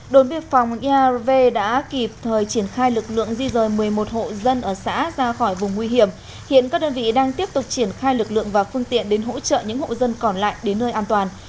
đồn biên phòng erv đã kịp thời triển khai lực lượng di rời một mươi một hộ dân ở xã ra khỏi vùng nguy hiểm hiện các đơn vị đang tiếp tục triển khai lực lượng và phương tiện đến hỗ trợ những hộ dân còn lại đến nơi an toàn